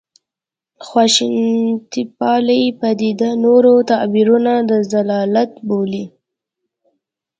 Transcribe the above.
خشونتپالې پدیده نور تعبیرونه د ضلالت بولي.